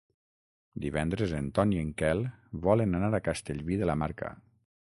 Divendres en Ton i en Quel volen anar a Castellví de la Marca.